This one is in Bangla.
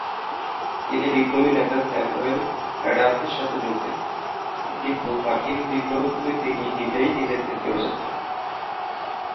তিনি বিপ্লবী নেতা স্যামুয়েল অ্যাডামসের সাথে যোগ দেন, কিন্তু মার্কিন বিপ্লবের পূর্বে তিনি নিজেই নিজের খ্যাতি অর্জন করেন।